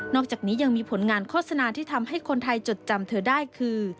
อกจากนี้ยังมีผลงานโฆษณาที่ทำให้คนไทยจดจำเธอได้คือ